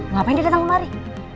ngapain dia datang kemari